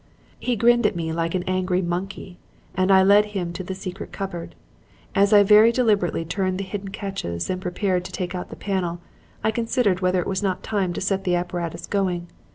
"He grinned at me like an angry monkey, and I led him to the secret cupboard. As I very deliberately turned the hidden catches and prepared to take out the panel, I considered whether it was not time to set the apparatus going.